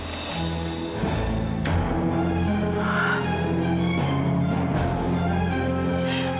ini ibu perinciannya